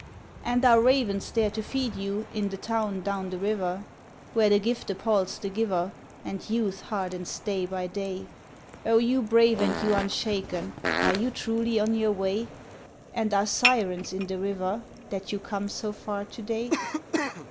"And are ravens there to feed you In the Town down the River, Where the gift appalls the giver And youth hardens day by day? O you brave and you unshaken, Are you truly on your way? And are sirens in the River, That you come so far to day?"